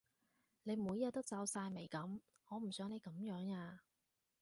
你每日都皺晒眉噉，我唔想你噉樣呀